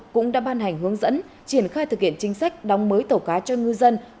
cũng đã ban hành hướng dẫn triển khai thực hiện chính sách đóng mới tàu cá cho ngư dân